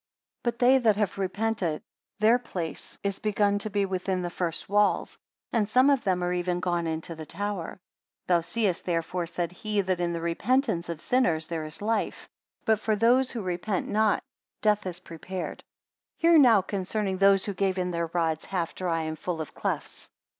55 But they that have repented, their place is begun to be within the first walls, and some of them are even gone into the tower. Thou seest therefore, said he, that in the repentance of sinners there is life; but for those who repent not, death is prepared. 56 Hear now concerning those who gave in their rods half dry and full of clefts.